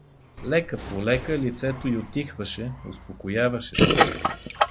Лека-полека лицето й утихваше, успокояваше се.